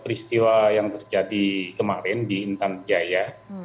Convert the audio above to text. peristiwa yang terjadi kemarin di intan jaya